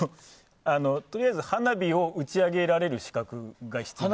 とりあえず、花火を打ち上げられる資格が必要です。